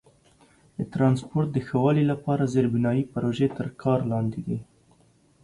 د ترانسپورت د ښه والي لپاره زیربنایي پروژې تر کار لاندې دي.